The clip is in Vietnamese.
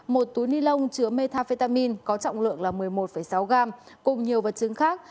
một túi ni lông chứa metafetamin có trọng lượng là một mươi một sáu gram cùng nhiều vật chứng khác